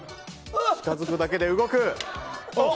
近づくだけで動く。